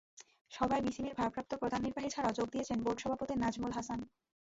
সভায় বিসিবির ভারপ্রাপ্ত প্রধান নির্বাহী ছাড়াও যোগ দিয়েছেন বোর্ড সভাপতি নাজমুল হাসান।